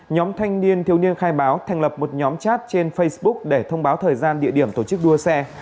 nhóm thanh niên thiếu niên khai báo thành lập một nhóm chat trên facebook để thông báo thời gian địa điểm tổ chức đua xe